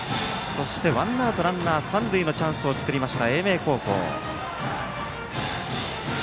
そして、ワンアウトランナー、三塁のチャンスを作った英明高校。